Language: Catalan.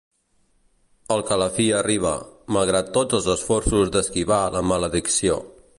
El que a la fi arriba, malgrat tots els esforços d'esquivar la maledicció.